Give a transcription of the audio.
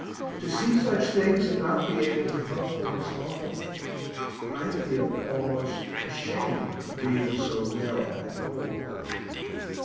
To see such things and not be able to help them is awful I feel almost ashamed of being so well and whole.